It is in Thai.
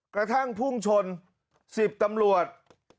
กระทั่งพุ่งชน๑๐ตำรวจ